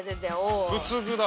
仏具だ